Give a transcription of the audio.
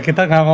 kita gak mau